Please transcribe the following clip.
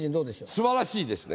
すばらしいですね。